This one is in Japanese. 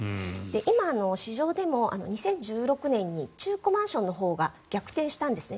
今、市場でも２０１６年に中古マンションのほうが逆転したんですね。